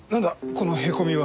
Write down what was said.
このへこみは。